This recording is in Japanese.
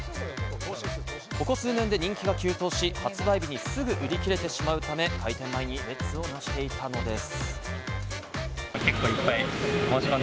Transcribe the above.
ここ数年で人気が急騰し、発売日にすぐ売り切れてしまうため、開店前に列をなしていたのです。